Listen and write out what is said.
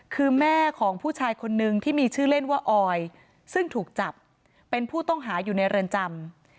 คือแม่ของผู้ชายคนนึงที่มีชื่อเล่นว่าออยซึ่งถูกจับเป็นผู้ต้องหาอยู่ในเรือนจำ